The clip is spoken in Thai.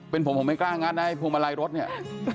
เป็นผมผมไม่กล้างัดนะภูมิลัยรถเนี้ย